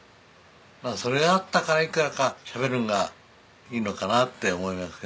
まあそれがあったからいくらかしゃべるのがいいのかなって思いますね。